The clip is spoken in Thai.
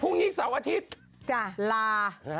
พรุ่งนี้เสาร์อาทิตย์จ้ะลา